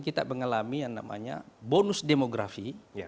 kita mengalami yang namanya bonus demografi